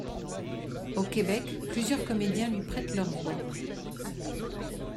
Au Québec, plusieurs comédiens lui prêtent leur voix.